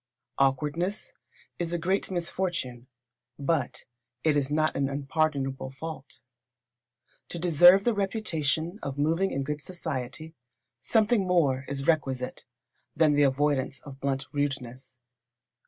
Awkwardness is a great misfortune, but it is not an unpardonable fault. To deserve the reputation of moving in good society, something more is requisite than the avoidance of blunt rudeness.